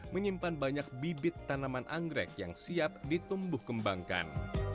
menyimpan banyak bibit tanaman anggrek yang siap ditumbuh kembangkan